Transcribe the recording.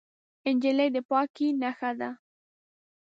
نجلۍ د پاکۍ نښه ده.